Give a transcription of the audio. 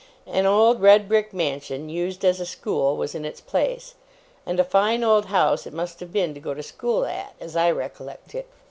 An old red brick mansion, used as a school, was in its place; and a fine old house it must have been to go to school at, as I recollect it.